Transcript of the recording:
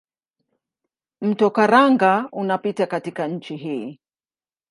Mto Karanga unapita katika nchi hii.